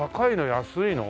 安いの？